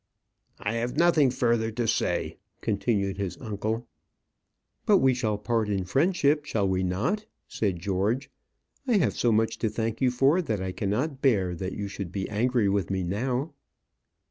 "I have nothing further to say," continued his uncle. "But we shall part in friendship, shall we not?" said George. "I have so much to thank you for, that I cannot bear that you should be angry with me now."